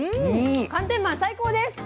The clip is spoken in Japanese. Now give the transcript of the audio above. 寒天マン最高です！